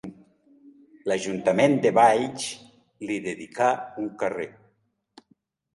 L'ajuntament de Valls li dedicà un carrer.